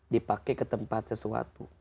dipakai ke tempat sesuatu